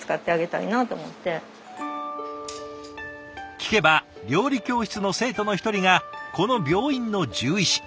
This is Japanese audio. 聞けば料理教室の生徒の一人がこの病院の獣医師。